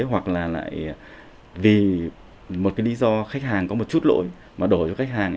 hoặc là lại vì một cái lý do khách hàng có một chút lỗi mà đổi cho khách hàng